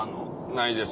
ないです。